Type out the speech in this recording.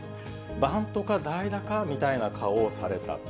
バントか代打かみたいな顔をされた。